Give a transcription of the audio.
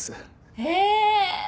へえ！